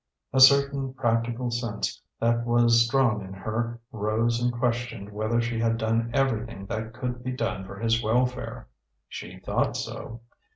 A certain practical sense that was strong in her rose and questioned whether she had done everything that could be done for his welfare. She thought so.